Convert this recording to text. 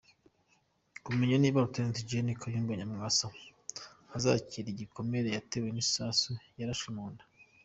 Kumenya niba Lt Gen Kayumba Nyamwasa azakira igikomere yatewe n’isasu yarashwe mu nda,